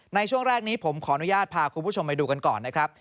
ในช่วงแรกนี้ผมขออนุญาตพาคุณผู้ชมไปดูกันก่อนนะครับ